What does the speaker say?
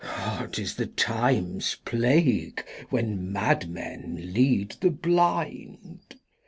Glost. 'Tis the Time's Plague when Mad Men lead the Blind.